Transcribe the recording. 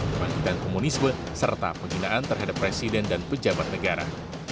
perangkitan komunisme serta pengginaan terhadap presiden dan pejabat negara